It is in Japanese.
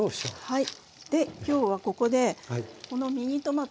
はい。